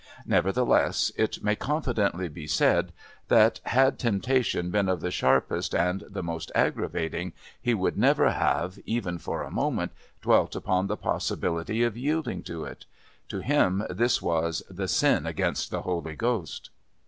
Nevertheless, it may confidently be said that, had temptation been of the sharpest and the most aggravating, he would never have, even for a moment, dwelt upon the possibility of yielding to it. To him this was the "sin against the Holy Ghost."